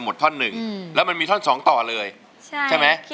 ๕๐๐๐บาทนะครับมิวร้องได้